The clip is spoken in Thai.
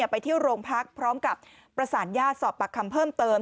ไปที่โรงพรรคพร้อมกับประสานญาติสอบประคัมเพิ่มเติม